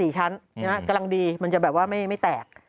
ชั้นกำลังดีมันจะแบบว่าไม่แตก